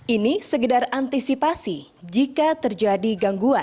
ini segedar antisipasi jika terjadi gangguan